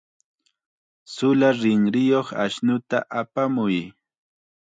Chulla rinriyuq ashnuta apamuy.